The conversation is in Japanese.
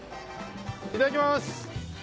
いただきます！